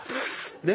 ねっ？